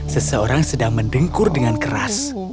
seseorang sedang mendengkur dengan keras